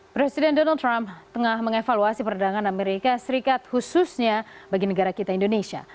presiden donald trump tengah mengevaluasi perdagangan amerika serikat khususnya bagi negara kita indonesia